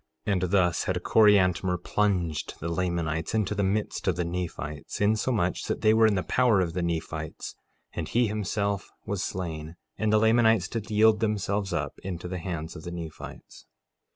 1:32 And thus had Coriantumr plunged the Lamanites into the midst of the Nephites, insomuch that they were in the power of the Nephites, and he himself was slain, and the Lamanites did yield themselves into the hands of the Nephites.